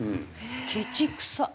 ケチ臭っ！